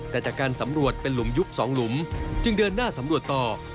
แต่จากการสำรวจเป็นหลุมยุบ๒หลุมจึงเดินหน้าสำรวจต่อ